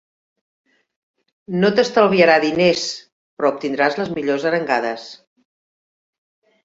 No t"estalviarà diners però obtindràs les millors arengades.